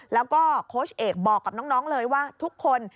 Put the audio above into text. แล้วก็โค้ชเอกบอกกับน้องเลยว่าทุกคน